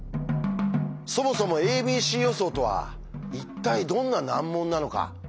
そもそも「ａｂｃ予想」とは一体どんな難問なのか。